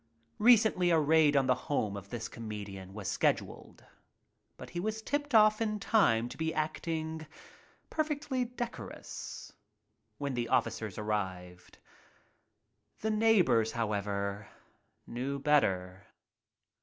Recently a raid on the home of this comedian was scheduled, but he was "tipped off" in time to be acting perfectly decorous when the officers arrived. The neighbors, however, knew better.